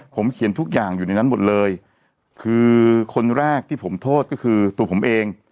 ผมเขียนทุกอย่างอยู่ในนั้นหมดเลยคือคนแรกที่ผมโทษก็คือตัวผมเอง